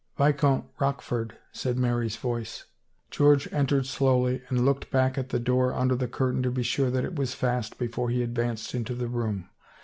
" Viscount Rochford," said Mary's voice. George entered slowly and looked back at the door under the curtain to be sure that it was fast before he advanced into the room.